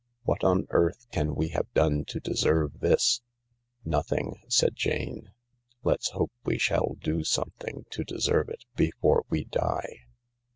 What on earth can we have done to deserve this ?"" Nothing," said Jane. " Let's hope we shall do something to deserve it before we die."